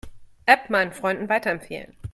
App meinen Freunden weiterempfehlen.